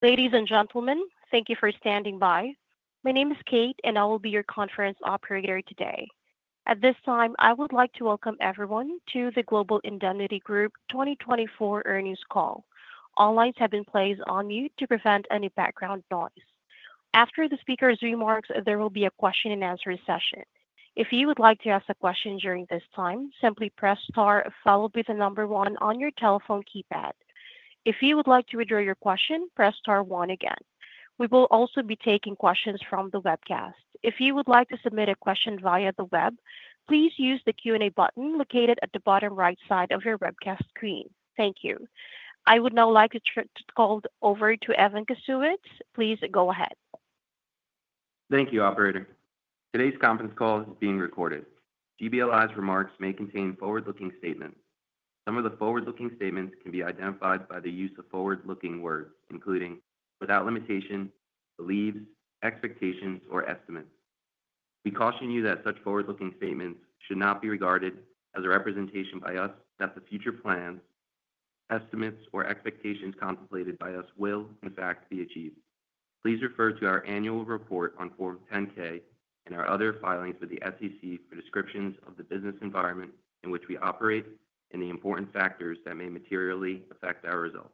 Ladies and gentlemen, thank you for standing by. My name is Kate, and I will be your conference operator today. At this time, I would like to welcome everyone to the Global Indemnity Group 2024 earnings call. All lines have been placed on mute to prevent any background noise. After the speaker's remarks, there will be a question-and-answer session. If you would like to ask a question during this time, simply press star, followed by the number one on your telephone keypad. If you would like to withdraw your question, press star one again. We will also be taking questions from the webcast. If you would like to submit a question via the web, please use the Q&A button located at the bottom right side of your webcast screen. Thank you. I would now like to turn the call over to Evan Kasowitz. Please go ahead. Thank you, Operator. Today's conference call is being recorded. GBLI's remarks may contain forward-looking statements. Some of the forward-looking statements can be identified by the use of forward-looking words, including "without limitation," "believes," "expectations," or "estimates." We caution you that such forward-looking statements should not be regarded as a representation by us that the future plans, estimates, or expectations contemplated by us will, in fact, be achieved. Please refer to our annual report on Form 10-K and our other filings with the SEC for descriptions of the business environment in which we operate and the important factors that may materially affect our results.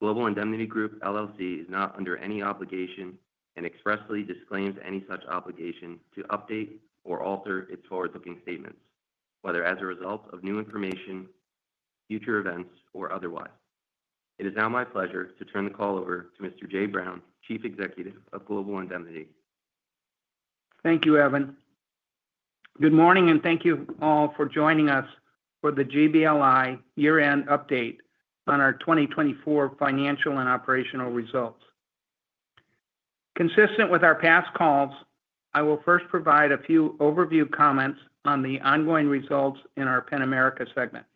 Global Indemnity Group LLC is not under any obligation and expressly disclaims any such obligation to update or alter its forward-looking statements, whether as a result of new information, future events, or otherwise. It is now my pleasure to turn the call over to Mr. Jay Brown, Chief Executive Officer of Global Indemnity. Thank you, Evan. Good morning, and thank you all for joining us for the GBLI year-end update on our 2024 financial and operational results. Consistent with our past calls, I will first provide a few overview comments on the ongoing results in our Penn-America segment.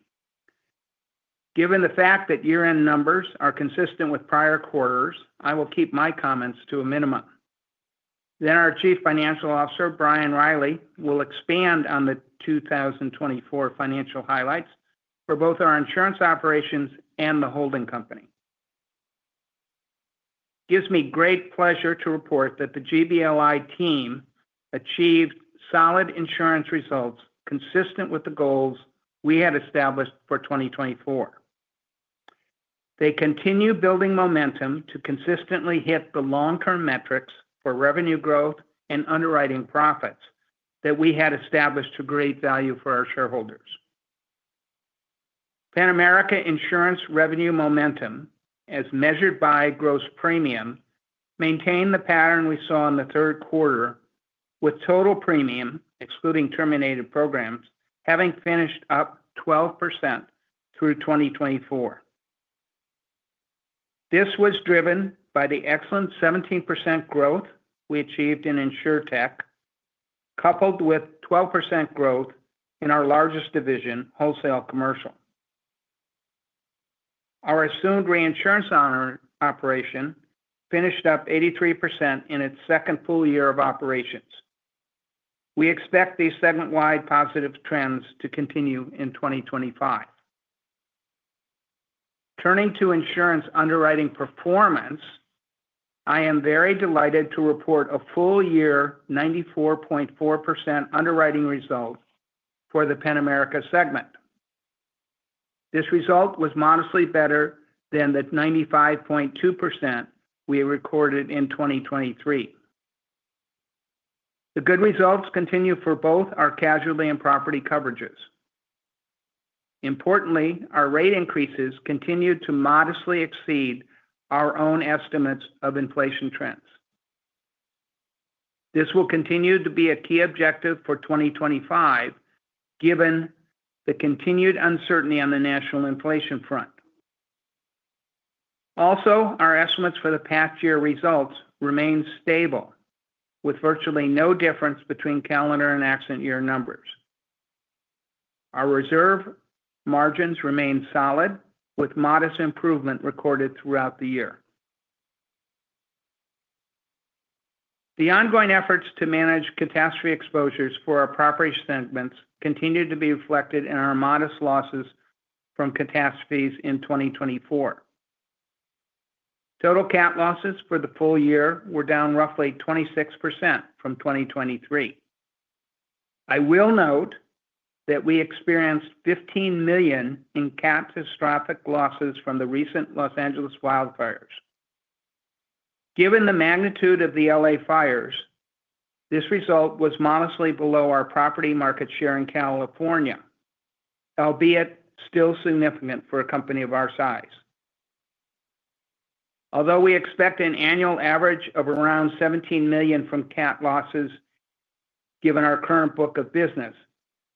Given the fact that year-end numbers are consistent with prior quarters, I will keep my comments to a minimum. Our Chief Financial Officer, Brian Riley, will expand on the 2024 financial highlights for both our insurance operations and the holding company. It gives me great pleasure to report that the GBLI team achieved solid insurance results consistent with the goals we had established for 2024. They continue building momentum to consistently hit the long-term metrics for revenue growth and underwriting profits that we had established to create value for our shareholders. Penn-America insurance revenue momentum, as measured by gross premium, maintained the pattern we saw in the Q3, with total premium, excluding terminated programs, having finished up 12% through 2024. This was driven by the excellent 17% growth we achieved in InsurTech, coupled with 12% growth in our largest division, wholesale commercial. Our assumed reinsurance operation finished up 83% in its second full year of operations. We expect these segment-wide positive trends to continue in 2025. Turning to insurance underwriting performance, I am very delighted to report a full-year 94.4% underwriting result for the Penn-America segment. This result was modestly better than the 95.2% we recorded in 2023. The good results continue for both our casualty and property coverages. Importantly, our rate increases continue to modestly exceed our own estimates of inflation trends. This will continue to be a key objective for 2025, given the continued uncertainty on the national inflation front. Also, our estimates for the past year results remain stable, with virtually no difference between calendar and accident year numbers. Our reserve margins remain solid, with modest improvement recorded throughout the year. The ongoing efforts to manage catastrophe exposures for our property segments continue to be reflected in our modest losses from catastrophes in 2024. Total catastrophe losses for the full year were down roughly 26% from 2023. I will note that we experienced $15 million in catastrophic losses from the recent Los Angeles wildfires. Given the magnitude of the LA fires, this result was modestly below our property market share in California, albeit still significant for a company of our size. Although we expect an annual average of around $17 million from cat losses, given our current book of business,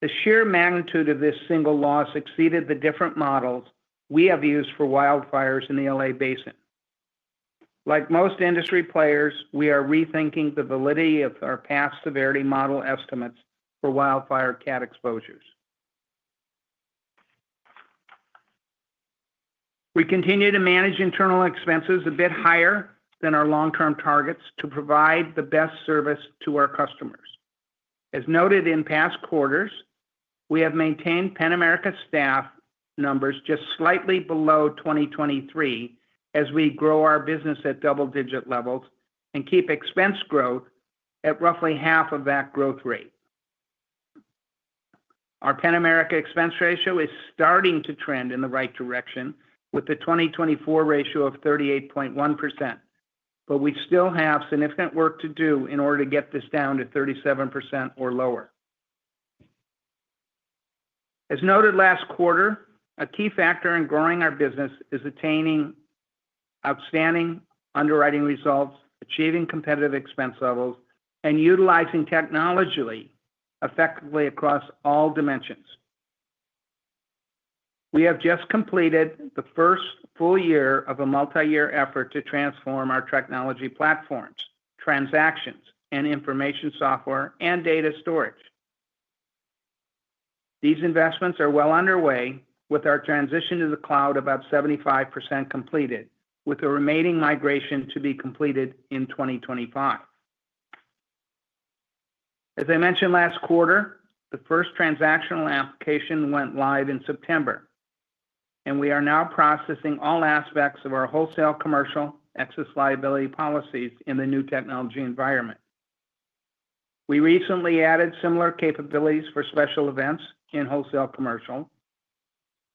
the sheer magnitude of this single loss exceeded the different models we have used for wildfires in the LA Basin. Like most industry players, we are rethinking the validity of our past severity model estimates for wildfire cat exposures. We continue to manage internal expenses a bit higher than our long-term targets to provide the best service to our customers. As noted in past quarters, we have maintained Penn-America staff numbers just slightly below 2023 as we grow our business at double-digit levels and keep expense growth at roughly half of that growth rate. Our Penn-America expense ratio is starting to trend in the right direction, with the 2024 ratio of 38.1%, but we still have significant work to do in order to get this down to 37% or lower. As noted last quarter, a key factor in growing our business is attaining outstanding underwriting results, achieving competitive expense levels, and utilizing technology effectively across all dimensions. We have just completed the first full year of a multi-year effort to transform our technology platforms, transactions, and information software and data storage. These investments are well underway, with our transition to the cloud about 75% completed, with the remaining migration to be completed in 2025. As I mentioned last quarter, the first transactional application went live in September, and we are now processing all aspects of our wholesale commercial excess liability policies in the new technology environment. We recently added similar capabilities for special events in wholesale commercial,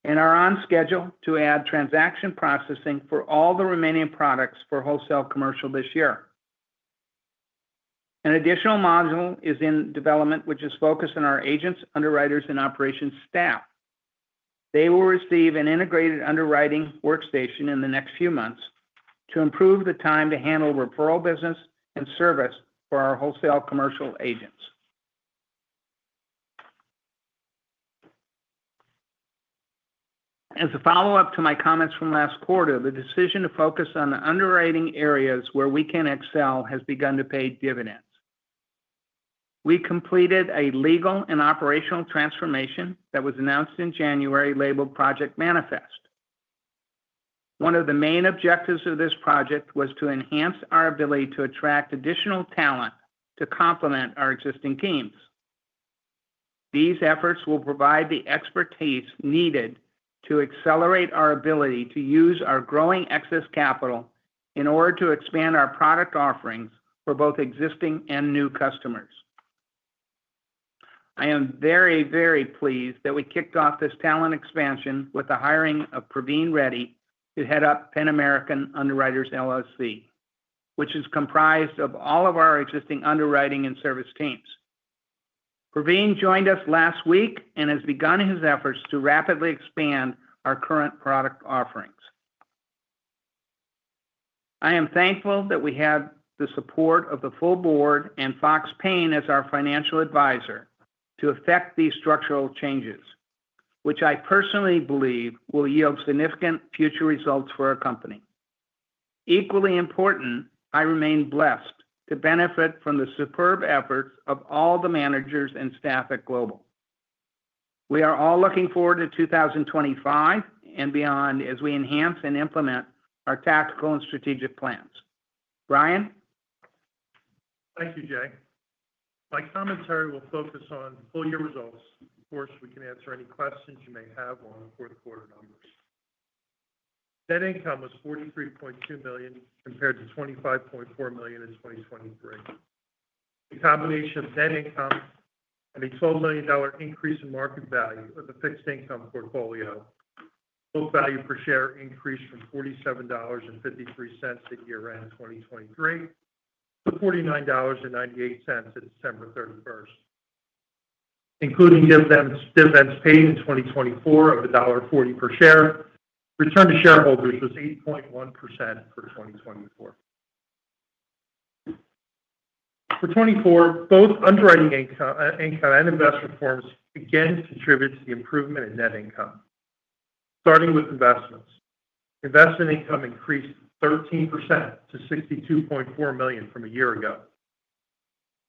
and are on schedule to add transaction processing for all the remaining products for wholesale commercial this year. An additional module is in development, which is focused on our agents, underwriters, and operations staff. They will receive an integrated underwriting workstation in the next few months to improve the time to handle referral business and service for our wholesale commercial agents. As a follow-up to my comments from last quarter, the decision to focus on the underwriting areas where we can excel has begun to pay dividends. We completed a legal and operational transformation that was announced in January, labeled Project Manifest. One of the main objectives of this project was to enhance our ability to attract additional talent to complement our existing teams. These efforts will provide the expertise needed to accelerate our ability to use our growing excess capital in order to expand our product offerings for both existing and new customers. I am very, very pleased that we kicked off this talent expansion with the hiring of Praveen Reddy to head up Penn-American Underwriters LLC, which is comprised of all of our existing underwriting and service teams. Praveen joined us last week and has begun his efforts to rapidly expand our current product offerings. I am thankful that we have the support of the full board and Fox Paine as our financial advisor to effect these structural changes, which I personally believe will yield significant future results for our company. Equally important, I remain blessed to benefit from the superb efforts of all the managers and staff at Global. We are all looking forward to 2025 and beyond as we enhance and implement our tactical and strategic plans. Brian. Thank you, Jay. My commentary will focus on full-year results. Of course, we can answer any questions you may have on the Q4 numbers. Net income was $43.2 million compared to $25.4 million in 2023. The combination of net income and a $12 million increase in market value of the fixed income portfolio, book value per share increased from $47.53 at year-end in 2023 to $49.98 at December 31st. Including dividends paid in 2024 of $1.40 per share, return to shareholders was 8.1% for 2024. For 2024, both underwriting income and investment forms again contributed to the improvement in net income. Starting with investments, investment income increased 13% to $62.4 million from a year ago.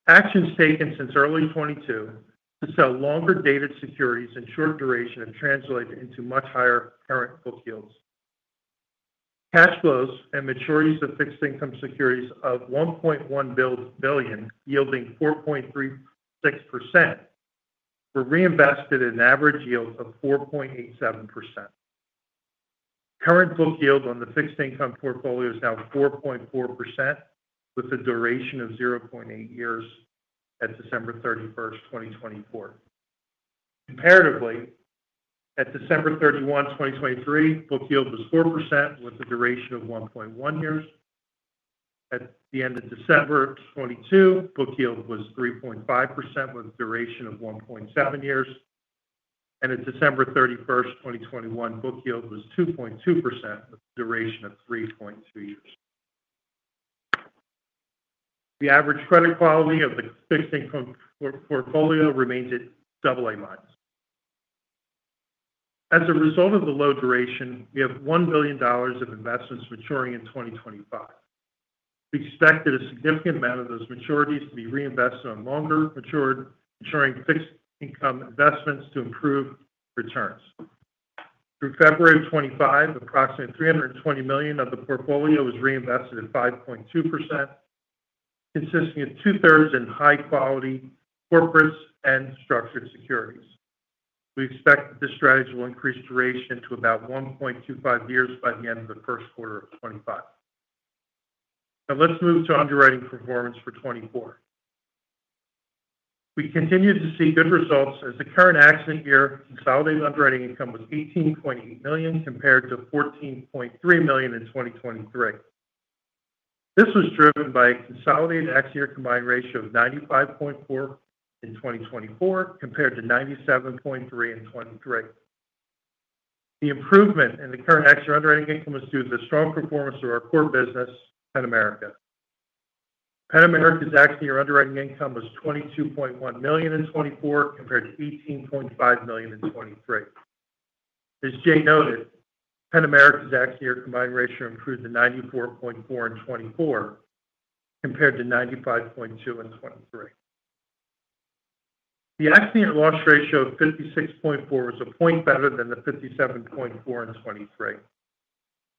Actions taken since early 2022 to sell longer-dated securities and short-duration have translated into much higher current book yields. Cash flows and maturities of fixed income securities of $1.1 billion, yielding 4.36%, were reinvested at an average yield of 4.87%. Current book yield on the fixed income portfolio is now 4.4%, with a duration of 0.8 years at December 31, 2024. Comparatively, at December 31, 2023, book yield was 4%, with a duration of 1.1 years. At the end of December 2022, book yield was 3.5%, with a duration of 1.7 years. At December 31, 2021, book yield was 2.2%, with a duration of 3.2 years. The average credit quality of the fixed income portfolio remains at AA-minus. As a result of the low duration, we have $1 billion of investments maturing in 2025. We expect that a significant amount of those maturities to be reinvested on longer-matured, ensuring fixed income investments to improve returns. Through February 2025, approximately $320 million of the portfolio was reinvested at 5.2%, consisting of two-thirds in high-quality corporates and structured securities. We expect that this strategy will increase duration to about 1.25 years by the end of the Q1 of 2025. Now, let's move to underwriting performance for 2024. We continue to see good results, as the current accident year consolidated underwriting income was $18.8 million compared to $14.3 million in 2023. This was driven by a consolidated accident year combined ratio of 95.4% in 2024 compared to 97.3% in 2023. The improvement in the current accident year underwriting income is due to the strong performance of our core business, Penn-America. Penn-America's accident year underwriting income was $22.1 million in 2024 compared to $18.5 million in 2023. As Jay noted, Penn-America's accident year combined ratio improved to 94.4% in 2024 compared to 95.2% in 2023. The accident year loss ratio of 56.4 was a point better than the 57.4 in 2023.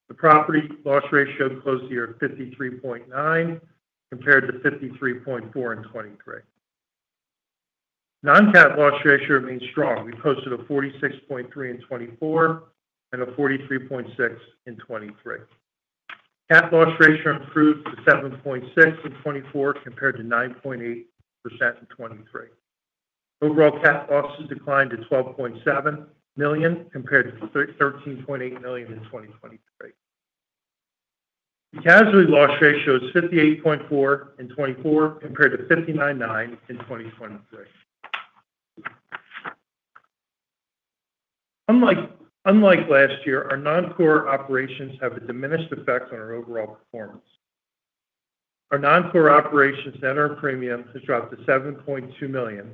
The property loss ratio closed the year at 53.9 compared to 53.4 in 2023. Non-cat loss ratio remains strong. We posted a 46.3 in 2024 and a 43.6 in 2023. Cat loss ratio improved to 7.6 in 2024 compared to 9.8% in 2023. Overall, cat losses declined to $12.7 million compared to $13.8 million in 2023. The casualty loss ratio is 58.4 in 2024 compared to 59.9 in 2023. Unlike last year, our non-core operations have a diminished effect on our overall performance. Our non-core operations net earned premium has dropped to $7.2 million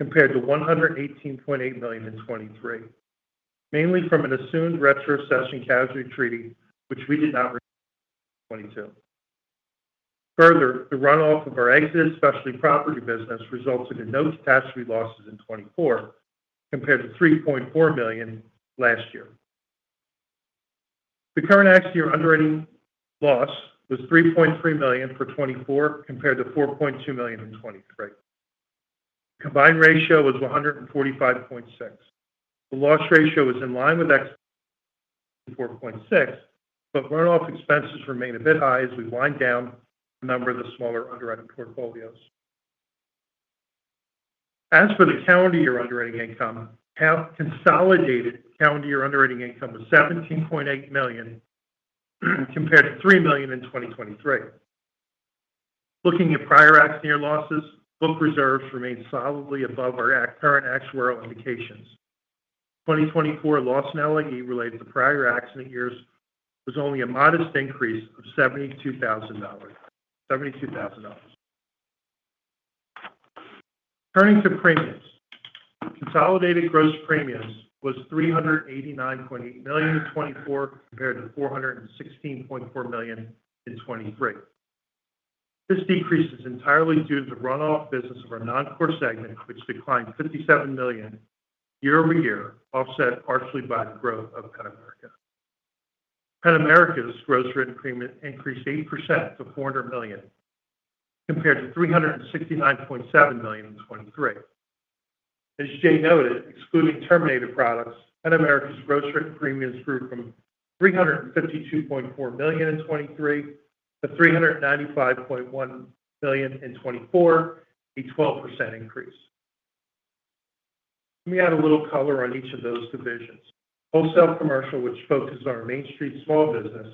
compared to $118.8 million in 2023, mainly from an assumed retrocession casualty treaty, which we did not receive in 2022. Further, the runoff of our exited specialty property business resulted in no catastrophe losses in 2024 compared to $3.4 million last year. The current accident year underwriting loss was $3.3 million for 2024 compared to $4.2 million in 2023. The combined ratio was 145.6. The loss ratio was in line with expectations at 4.6, but runoff expenses remain a bit high as we wind down the number of the smaller underwriting portfolios. As for the calendar year underwriting income, consolidated calendar year underwriting income was $17.8 million compared to $3 million in 2023. Looking at prior accident year losses, book reserves remain solidly above our current actuarial indications. 2024 loss and LAE related to prior accident years was only a modest increase of $72,000. Turning to premiums, consolidated gross premiums was $389.8 million in 2024 compared to $416.4 million in 2023. This decrease is entirely due to the runoff business of our non-core segment, which declined $57 million year-over-year, offset partially by the growth of Penn-America. Penn-America's gross written premium increased 8% to $400 million compared to $369.7 million in 2023. As Jay noted, excluding terminated products, Penn-America's gross written premiums grew from $352.4 million in 2023 to $395.1 million in 2024, a 12% increase. Let me add a little color on each of those divisions. Wholesale commercial, which focuses on our Main Street small business,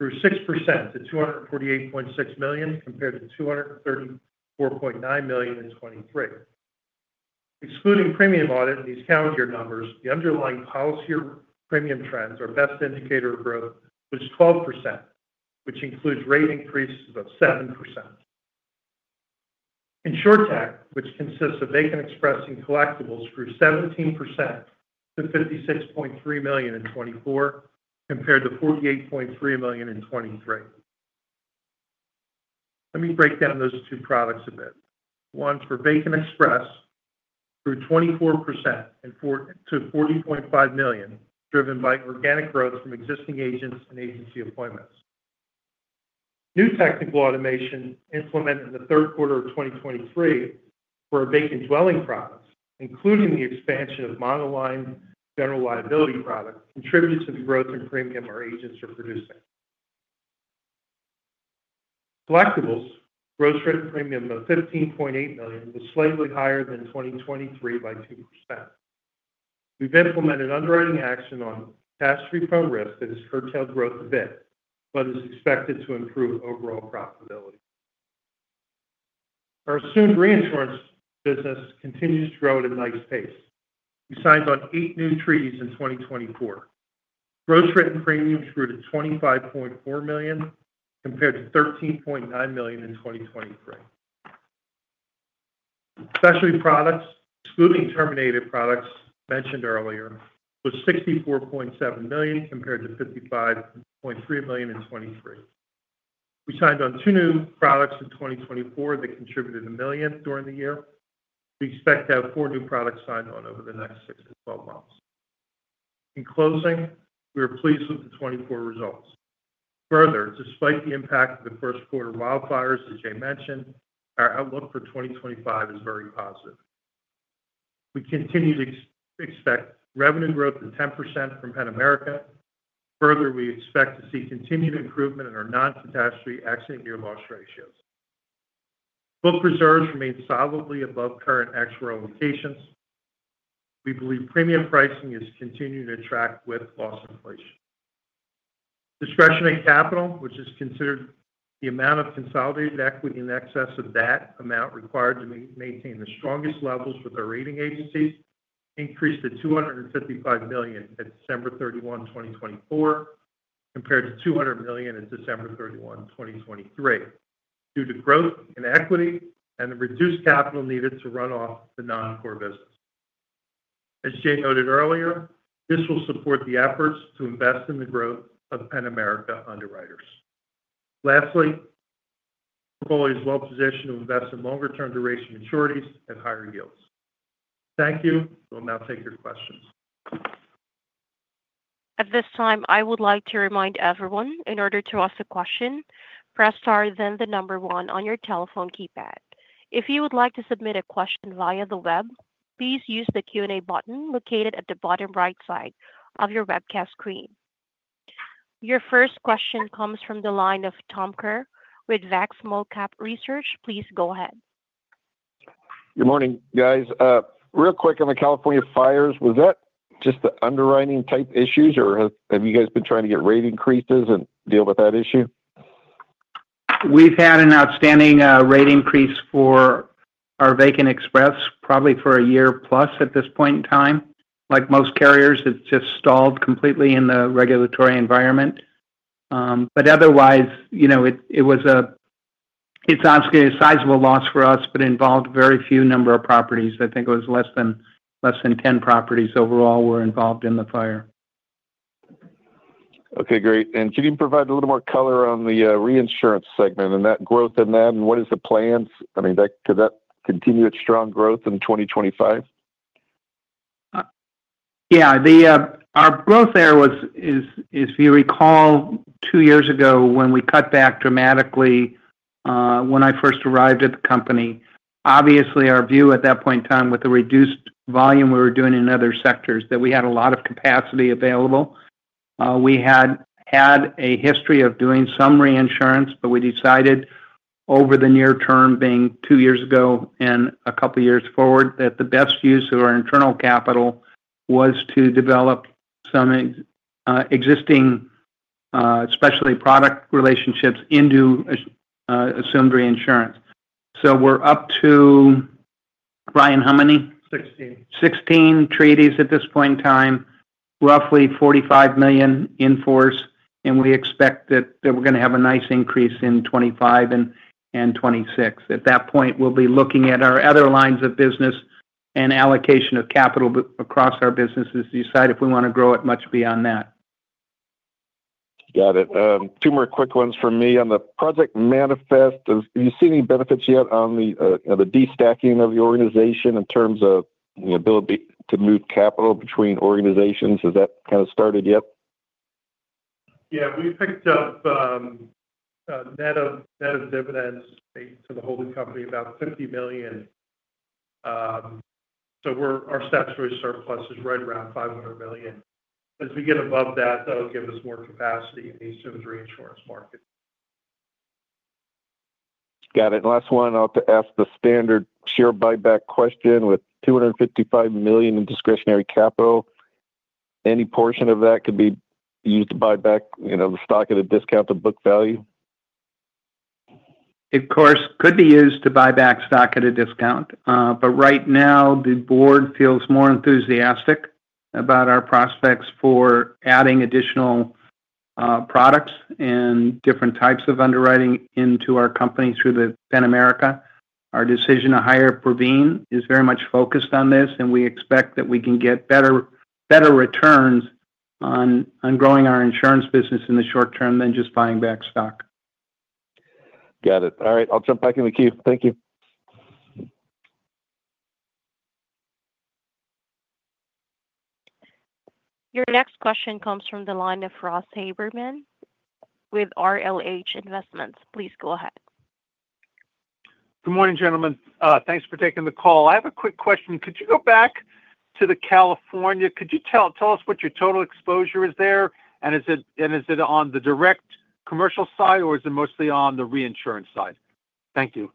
grew 6% to $248.6 million compared to $234.9 million in 2023. Excluding premium audit in these calendar year numbers, the underlying policy year premium trends are best indicator of growth, which is 12%, which includes rate increases of 7%. InsurTech, specialty, which consists of VacantExpress and Collectibles, grew 17% to $56.3 million in 2024 compared to $48.3 million in 2023. Let me break down those two products a bit. One for VacantExpress grew 24% to $40.5 million, driven by organic growth from existing agents and agency appointments. New technical automation implemented in the Q3 of 2023 for our vacant dwelling products, including the expansion of monoline general liability products, contributed to the growth in premium our agents are producing. Collectibles' gross written premium of $15.8 million was slightly higher than 2023 by 2%. We've implemented underwriting action on catastrophe fund risk that has curtailed growth a bit, but is expected to improve overall profitability. Our assumed reinsurance business continues to grow at a nice pace. We signed on eight new treaties in 2024. Gross written premiums grew to $25.4 million compared to $13.9 million in 2023. Specialty products, excluding terminated products mentioned earlier, were $64.7 million compared to $55.3 million in 2023. We signed on two new products in 2024 that contributed $1 million during the year. We expect to have four new products signed on over the next 6-12 months. In closing, we are pleased with the 2024 results. Further, despite the impact of the Q1 wildfires that Jay mentioned, our outlook for 2025 is very positive. We continue to expect revenue growth of 10% from Penn-America. Further, we expect to see continued improvement in our non-catastrophe accident year loss ratios. Book reserves remain solidly above current actuarial locations. We believe premium pricing is continuing to track with loss inflation. Discretionary capital, which is considered the amount of consolidated equity in excess of that amount required to maintain the strongest levels with our rating agencies, increased to $255 million at December 31, 2024, compared to $200 million at December 31, 2023, due to growth in equity and the reduced capital needed to run off the non-core business. As Jay noted earlier, this will support the efforts to invest in the growth of Penn-America Underwriters. Lastly, the portfolio is well-positioned to invest in longer-term duration maturities at higher yields. Thank you. We'll now take your questions. At this time, I would like to remind everyone, in order to ask a question, press star then the number one on your telephone keypad. If you would like to submit a question via the web, please use the Q&A button located at the bottom right side of your webcast screen. Your first question comes from the line of Tom Kerr with Zacks Small Cap Research. Please go ahead. Good morning, guys. Real quick, on the California fires, was that just the underwriting type issues, or have you guys been trying to get rate increases and deal with that issue? We've had an outstanding rate increase for our VacantExpress, probably for a year plus at this point in time. Like most carriers, it's just stalled completely in the regulatory environment. Otherwise, it was a sizable loss for us, but involved a very few number of properties. I think it was less than 10 properties overall were involved in the fire. Okay, great. Can you provide a little more color on the reinsurance segment and that growth in that, and what is the plans? I mean, could that continue its strong growth in 2025? Yeah. Our growth there is, if you recall, two years ago, when we cut back dramatically when I first arrived at the company. Obviously, our view at that point in time with the reduced volume we were doing in other sectors that we had a lot of capacity available. We had had a history of doing some reinsurance, but we decided over the near term, being two years ago and a couple of years forward, that the best use of our internal capital was to develop some existing specialty product relationships into assumed reinsurance. So we're up to, Brian, how many? 16. 16 treaties at this point in time, roughly $45 million in force, and we expect that we're going to have a nice increase in 2025 and 2026. At that point, we'll be looking at our other lines of business and allocation of capital across our businesses to decide if we want to grow it much beyond that. Got it. Two more quick ones from me. On the Project Manifest, have you seen any benefits yet on the destacking of the organization in terms of the ability to move capital between organizations? Has that kind of started yet? Yeah. We picked up, net of dividends to the holding company, about $50 million. Our statutory surplus is right around $500 million. As we get above that, that'll give us more capacity in the assumed reinsurance market. Got it. Last one, I'll ask the standard share buyback question. With $255 million in discretionary capital, any portion of that could be used to buy back the stock at a discount to book value? Of course, could be used to buy back stock at a discount. Right now, the board feels more enthusiastic about our prospects for adding additional products and different types of underwriting into our company through the Penn-America. Our decision to hire Praveen is very much focused on this, and we expect that we can get better returns on growing our insurance business in the short term than just buying back stock. Got it. All right. I'll jump back in with Keith. Thank you. Your next question comes from the line of Ross Haberman with RLH Investments. Please go ahead. Good morning, gentlemen. Thanks for taking the call. I have a quick question. Could you go back to California? Could you tell us what your total exposure is there? Is it on the direct commercial side, or is it mostly on the reinsurance side? Thank you.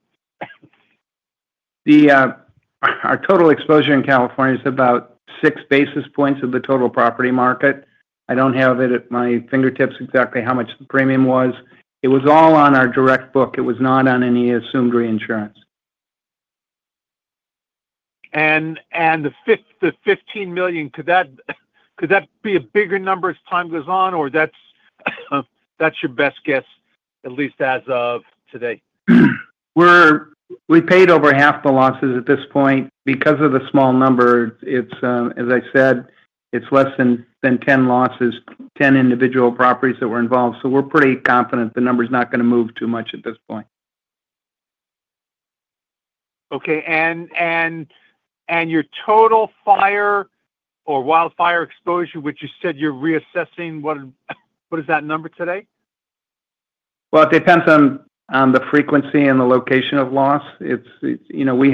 Our total exposure in California is about six basis points of the total property market. I don't have it at my fingertips exactly how much the premium was. It was all on our direct book. It was not on any assumed reinsurance. The $15 million could that be a bigger number as time goes on, or is that your best guess, at least as of today? We paid over half the losses at this point. Because of the small number, as I said, it's less than 10 losses, 10 individual properties that were involved. We're pretty confident the number is not going to move too much at this point. Okay. Your total fire or wildfire exposure, which you said you're reassessing, what is that number today? It depends on the frequency and the location of loss. We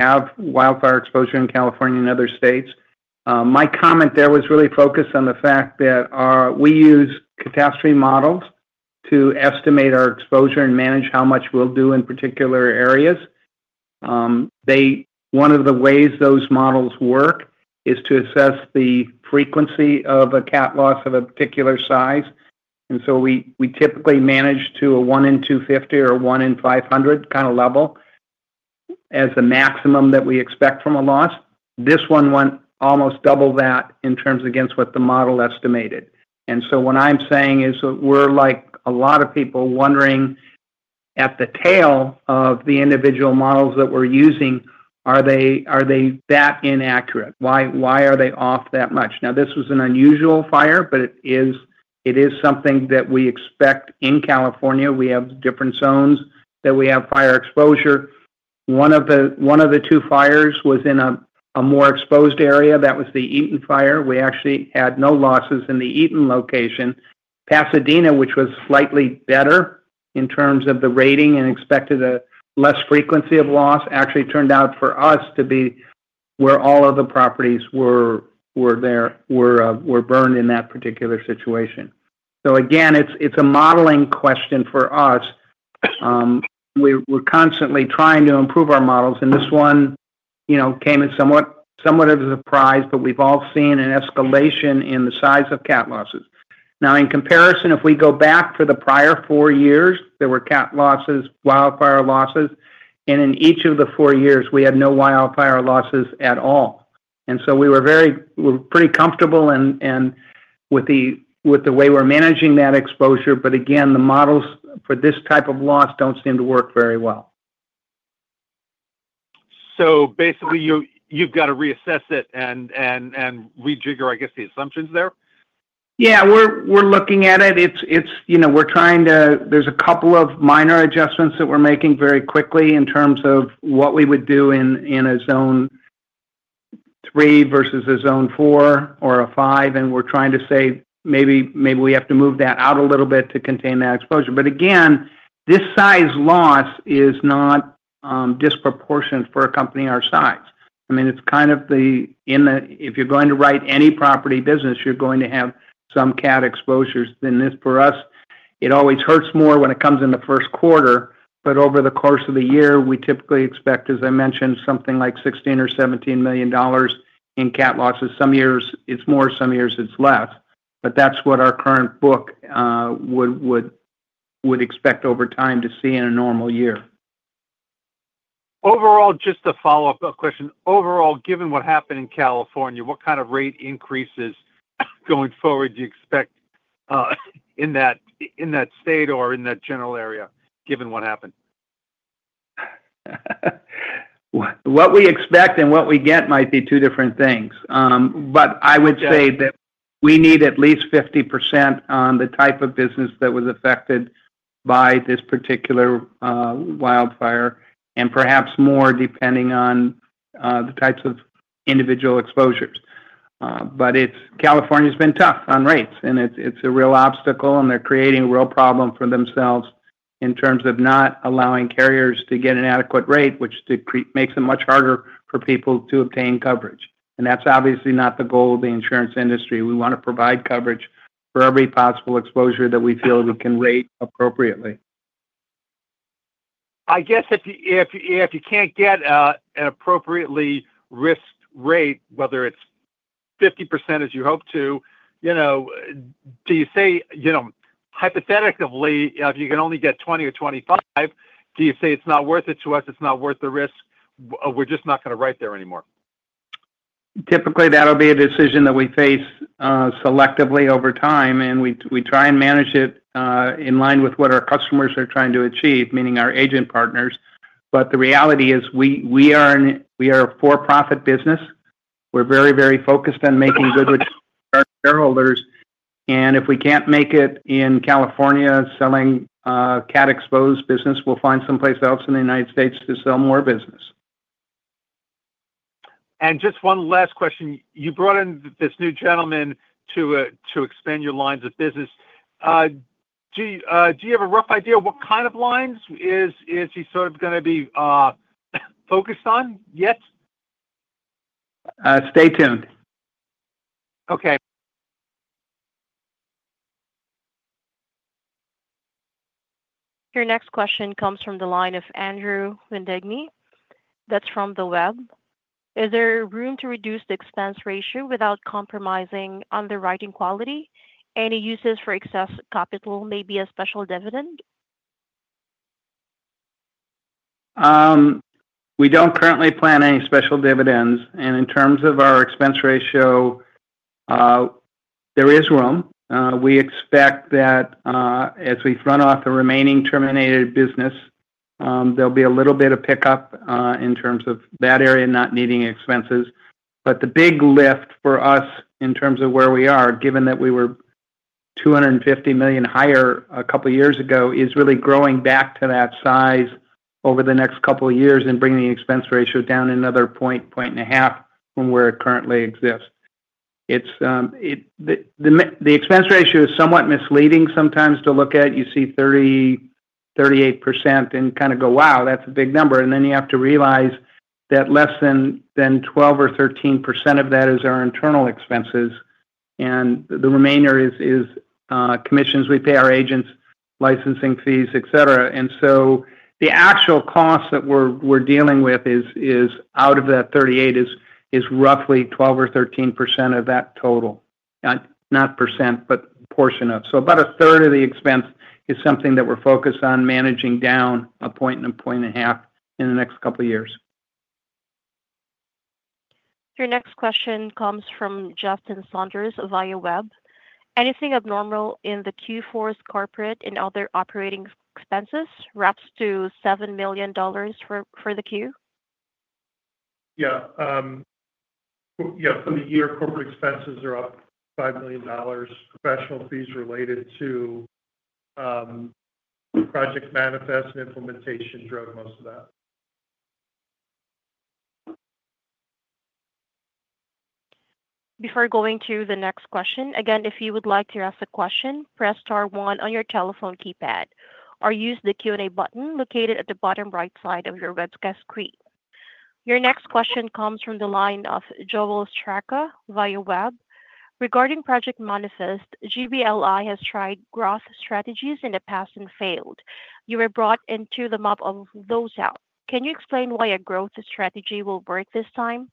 have wildfire exposure in California and other states. My comment there was really focused on the fact that we use catastrophe models to estimate our exposure and manage how much we'll do in particular areas. One of the ways those models work is to assess the frequency of a cat loss of a particular size. We typically manage to a 1 in 250 or a 1 in 500 kind of level as a maximum that we expect from a loss. This one went almost double that in terms against what the model estimated. What I'm saying is that we're like a lot of people wondering at the tail of the individual models that we're using, are they that inaccurate? Why are they off that much? Now, this was an unusual fire, but it is something that we expect in California. We have different zones that we have fire exposure. One of the two fires was in a more exposed area. That was the Eaton fire. We actually had no losses in the Eaton location. Pasadena, which was slightly better in terms of the rating and expected a less frequency of loss, actually turned out for us to be where all of the properties were burned in that particular situation. It is a modeling question for us. We are constantly trying to improve our models. This one came as somewhat of a surprise, but we have all seen an escalation in the size of cat losses. In comparison, if we go back for the prior four years, there were cat losses, wildfire losses. In each of the four years, we had no wildfire losses at all. We were pretty comfortable with the way we're managing that exposure. Again, the models for this type of loss don't seem to work very well. Basically, you've got to reassess it and rejigger, I guess, the assumptions there? Yeah. We're looking at it. We're trying to—there's a couple of minor adjustments that we're making very quickly in terms of what we would do in a zone three versus a zone four or a five. We're trying to say maybe we have to move that out a little bit to contain that exposure. Again, this size loss is not disproportionate for a company our size. I mean, it's kind of the—if you're going to write any property business, you're going to have some cat exposures. For us, it always hurts more when it comes in the Q3. Over the course of the year, we typically expect, as I mentioned, something like $16 million or $17 million in cat losses. Some years it's more, some years it's less. That's what our current book would expect over time to see in a normal year. Overall, just a follow-up question. Overall, given what happened in California, what kind of rate increases going forward do you expect in that state or in that general area, given what happened? What we expect and what we get might be two different things. I would say that we need at least 50% on the type of business that was affected by this particular wildfire, and perhaps more depending on the types of individual exposures. California has been tough on rates, and it's a real obstacle, and they're creating a real problem for themselves in terms of not allowing carriers to get an adequate rate, which makes it much harder for people to obtain coverage. That's obviously not the goal of the insurance industry. We want to provide coverage for every possible exposure that we feel we can rate appropriately. I guess if you can't get an appropriately risked rate, whether it's 50% as you hope to, do you say hypothetically, if you can only get 20% or 25%, do you say it's not worth it to us? It's not worth the risk? We're just not going to write there anymore. Typically, that'll be a decision that we face selectively over time. We try and manage it in line with what our customers are trying to achieve, meaning our agent partners. The reality is we are a for-profit business. We're very, very focused on making good returns for our shareholders. If we can't make it in California selling cat-exposed business, we'll find someplace else in the United States to sell more business. Just one last question. You brought in this new gentleman to expand your lines of business. Do you have a rough idea what kind of lines is he sort of going to be focused on yet? Stay tuned. Okay. Your next question comes from the line of Andrew Vindigni. That's from the web. Is there room to reduce the expense ratio without compromising underwriting quality? Any uses for excess capital may be a special dividend? We do not currently plan any special dividends. In terms of our expense ratio, there is room. We expect that as we run off the remaining terminated business, there will be a little bit of pickup in terms of that area not needing expenses. The big lift for us in terms of where we are, given that we were $250 million higher a couple of years ago, is really growing back to that size over the next couple of years and bringing the expense ratio down another point, point and a half from where it currently exists. The expense ratio is somewhat misleading sometimes to look at. You see 38% and kind of go, "Wow, that is a big number." You have to realize that less than 12% or 13% of that is our internal expenses. The remainder is commissions we pay our agents, licensing fees, etc. The actual cost that we're dealing with out of that 38 is roughly 12 or 13% of that total. Not percent, but portion of. So about a third of the expense is something that we're focused on managing down a point and a point and a half in the next couple of years. Your next question comes from Justin Saunders via web. Anything abnormal in the Q4's corporate and other operating expenses wraps to $7 million for the Q? Yeah. Yeah. For the year, corporate expenses are up $5 million. Professional fees related to Project Manifest and implementation drove most of that. Before going to the next question, again, if you would like to ask a question, press star one on your telephone keypad or use the Q&A button located at the bottom right side of your web screen. Your next question comes from the line of Joel Straka via web. Regarding Project Manifest, GBLI has tried growth strategies in the past and failed. You were brought in to map those out. Can you explain why a growth strategy will work this time?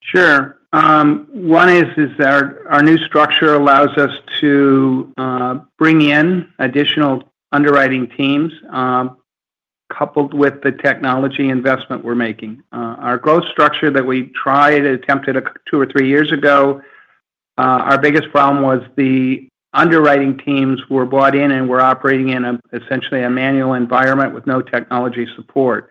Sure. One is our new structure allows us to bring in additional underwriting teams, coupled with the technology investment we're making. Our growth structure that we tried and attempted two or three years ago, our biggest problem was the underwriting teams were brought in and were operating in essentially a manual environment with no technology support.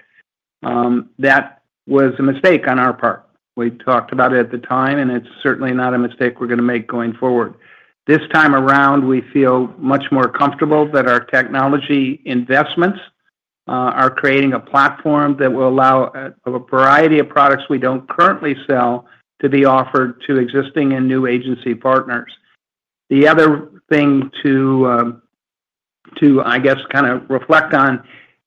That was a mistake on our part. We talked about it at the time, and it's certainly not a mistake we're going to make going forward. This time around, we feel much more comfortable that our technology investments are creating a platform that will allow a variety of products we don't currently sell to be offered to existing and new agency partners. The other thing to, I guess, kind of reflect on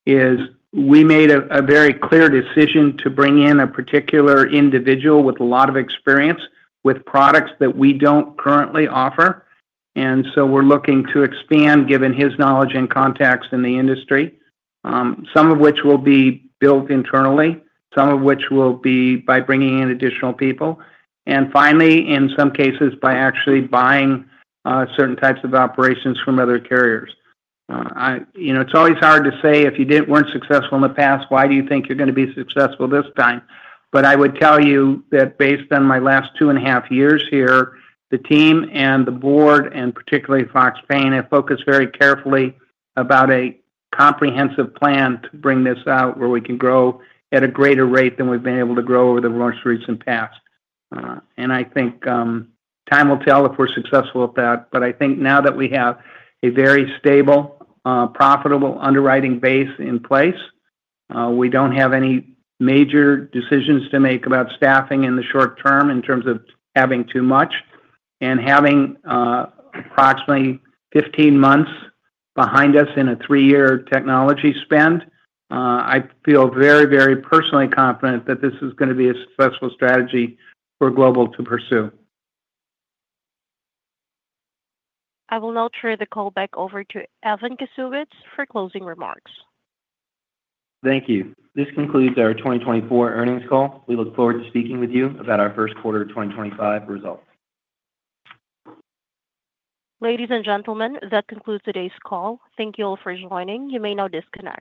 is we made a very clear decision to bring in a particular individual with a lot of experience with products that we do not currently offer. We are looking to expand given his knowledge and contacts in the industry, some of which will be built internally, some of which will be by bringing in additional people, and finally, in some cases, by actually buying certain types of operations from other carriers. It is always hard to say if you were not successful in the past, why do you think you are going to be successful this time? I would tell you that based on my last two and a half years here, the team and the board, and particularly Fox Paine, have focused very carefully about a comprehensive plan to bring this out where we can grow at a greater rate than we've been able to grow over the most recent past. I think time will tell if we're successful at that. I think now that we have a very stable, profitable underwriting base in place, we do not have any major decisions to make about staffing in the short term in terms of having too much. Having approximately 15 months behind us in a three-year technology spend, I feel very, very personally confident that this is going to be a successful strategy for Global to pursue. I will now turn the call back over to Evan Kasowitz for closing remarks. Thank you. This concludes our 2024 earnings call. We look forward to speaking with you about our Q1 2025 results. Ladies and gentlemen, that concludes today's call. Thank you all for joining. You may now disconnect.